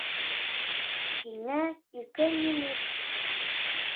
Һиңә ике минут.